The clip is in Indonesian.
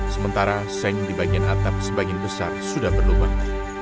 sementara seng di bagian atap sebagian besar sudah berlubang